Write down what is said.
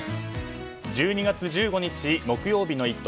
１２月１５日木曜日の「イット！」